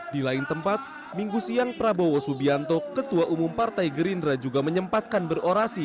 di lain tempat minggu siang prabowo subianto ketua umum partai gerindra juga menyempatkan berorasi